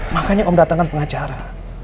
makanya om datangkan pengacara